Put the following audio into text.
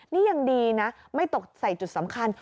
นี่ยังดีนะไม่ตกใส่จุดสำคัญ